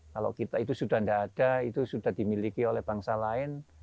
kalau kita itu sudah tidak ada itu sudah dimiliki oleh bangsa lain